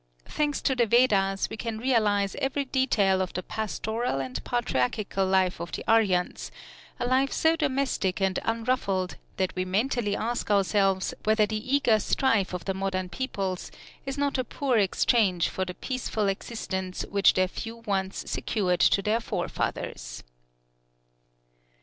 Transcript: Thanks to the Vedas we can realize every detail of the pastoral and patriarchal life of the Aryans, a life so domestic and unruffled, that we mentally ask ourselves whether the eager strife of the modern peoples is not a poor exchange for the peaceful existence which their few wants secured to their forefathers.